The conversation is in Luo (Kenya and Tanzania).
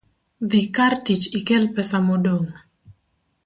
Dhi kar tich ikel pesa modong'